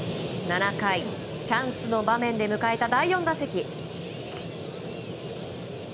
７回、チャンスの場面で迎えた第４打席。